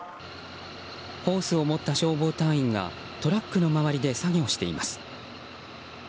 ホースを持った消防隊員がトラックの周りで作業しています。